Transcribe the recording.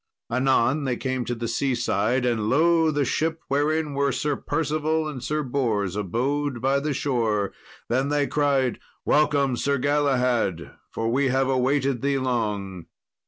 Anon they came to the seaside, and lo! the ship, wherein were Sir Percival and Sir Bors, abode by the shore. Then they cried, "Welcome, Sir Galahad, for we have awaited thee long."